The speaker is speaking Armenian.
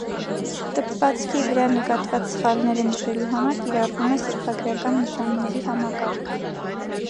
Տպվածքի վրա նկատված սխալները նշելու համար կիրառվում է սրբագրական նշանների համակարգ։